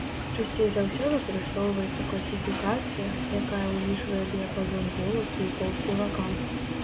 Часцей за ўсё выкарыстоўваецца класіфікацыя, якая ўлічвае дыяпазон голасу і пол спевака.